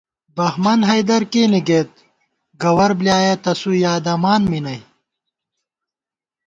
بہمن حیدر کېنےگئیت، گوَر بۡلیایَہ تسُو یادَمان می نئ